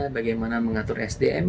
bagaimana mengatur sdm